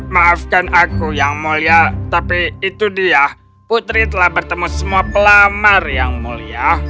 maafkan aku yang mulia tapi itu dia putri telah bertemu semua pelamar yang mulia